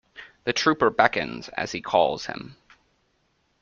The trooper beckons as he calls him.